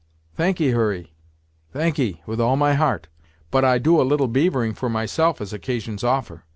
"Thank'ee, Hurry; thank'ee, with all my heart but I do a little beavering for myself as occasions offer.